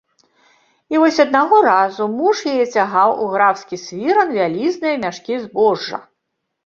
І вось аднаго разу муж яе цягаў у графскі свіран вялізныя мяшкі збожжа.